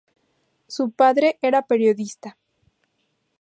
Su padre era periodista.